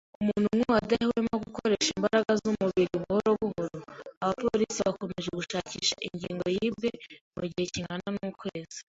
Umuntu nkuwo adahwema gukoresha imbaraga z'umubiri buhoro buhoro. Abapolisi bakomeje gushakisha ingingo yibwe mu gihe kingana n'ukwezi.